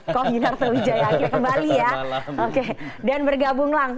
kau gilir atau wijaya akhir kembali ya